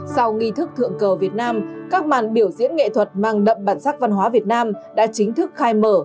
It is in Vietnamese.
sau nghi thức thượng cờ việt nam các màn biểu diễn nghệ thuật mang đậm bản sắc văn hóa việt nam đã chính thức khai mở